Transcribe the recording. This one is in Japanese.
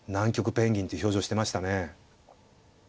ペンギンっていう表情してましたね。